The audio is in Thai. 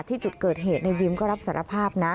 ที่จุดเกิดเหตุในวิมก็รับสารภาพนะ